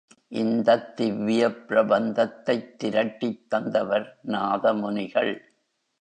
இந்தத் திவ்ய பிரபந்தத்தைத் திரட்டித் தந்தவர் நாதமுனிகள்.